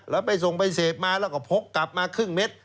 แล้วไปส่งไปเสพมาแล้วก็พกกลับมาครึ่งเม็ด